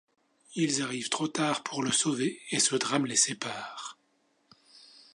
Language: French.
Ils arrivent trop tard pour le sauver et ce drame les sépare.